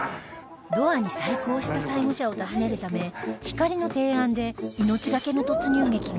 ドアに細工をした債務者を訪ねるためひかりの提案で命懸けの突入劇が